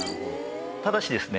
ただしですね